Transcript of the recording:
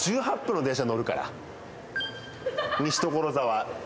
西所沢。